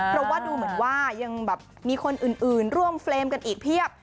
เพราะว่าดูเหมือนว่ายังแบบมีคนอื่นร่วมเฟรมกันอีกเพียบ